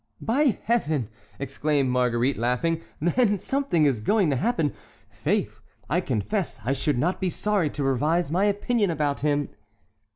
"By Heaven!" exclaimed Marguerite, laughing, "then something is going to happen. Faith, I confess I should not be sorry to revise my opinion about him."